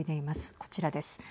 こちらです。